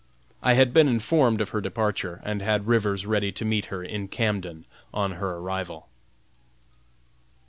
I had been informed of her departure and had Rivers ready to meet her in Camden on her arrival.